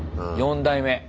４代目。